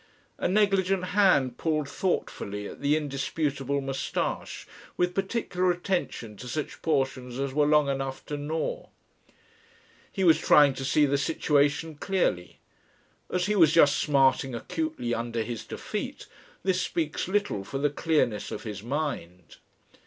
A negligent hand pulled thoughtfully at the indisputable moustache, with particular attention to such portions as were long enough to gnaw. He was trying to see the situation clearly. As he was just smarting acutely under his defeat, this speaks little for the clearness of his mind.